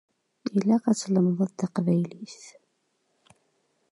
Ilaq ad tlemdeḍ taqbaylit.